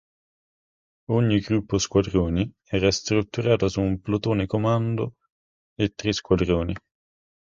Ogni gruppo squadroni era strutturato su un plotone comando e tre squadroni.